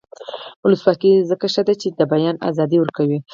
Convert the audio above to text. ولسواکي ځکه ښه ده چې د بیان ازادي ورکوي.